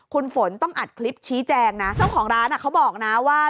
คุณฝนต้องอัดคลิปชี้แจงนะเจ้าของร้านเขาบอกนะว่า